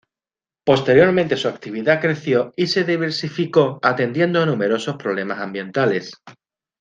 Posteriormente su actividad creció y se diversificó atendiendo a numerosos problemas ambientales.